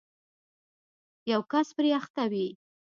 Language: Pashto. یو کس پرې اخته وي